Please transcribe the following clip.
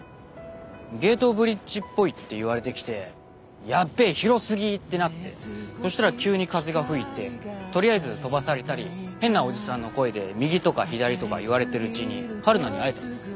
ゲートブリッジっぽいって言われて来て「やっべえ広すぎ！」ってなってそしたら急に風が吹いてとりあえず飛ばされたり変なおじさんの声で「右」とか「左」とか言われてるうちにはるなに会えたっす。